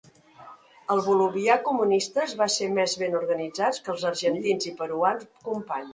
El Bolivià Comunistes van ser més ben organitzat que els Argentins i Peruans Companys.